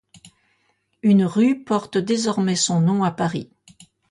Une rue porte désormais son nom à Paris.